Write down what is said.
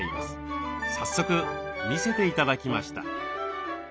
早速見せて頂きました。